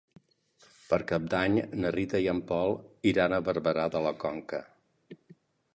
Per Cap d'Any na Rita i en Pol iran a Barberà de la Conca.